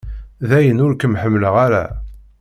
Dayen ur kem-ḥemmleɣ ara.